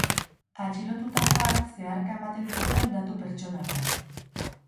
Atxilotutakoak zeharka ematen zituen datu pertsonalak.